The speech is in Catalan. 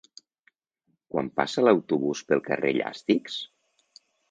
Quan passa l'autobús pel carrer Llàstics?